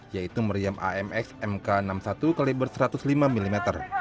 yaitu meriam amx mk enam puluh satu kaliber satu ratus lima mm